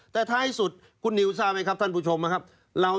แต่ท้ายสุดคุณนิวทราบไหมครับท่านผู้ชมครับ